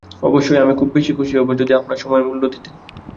অবশ্যই, আমি বেশি খুশি হবো আপনার সময়ের জন্য মূল্য দিতে।